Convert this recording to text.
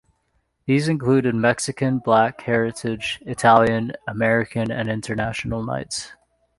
These included Mexican, Black Heritage, Italian, American and International nights.